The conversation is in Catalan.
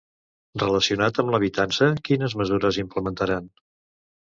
Relacionat amb l'habitança, quines mesures implementaran?